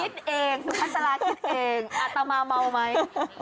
คิดเองสุพัสราคิดเองอัตมาเมาไหม